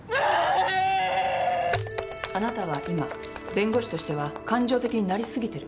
あなたは今弁護士としては感情的になりすぎてる。